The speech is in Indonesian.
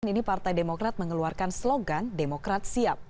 ini partai demokrat mengeluarkan slogan demokrat siap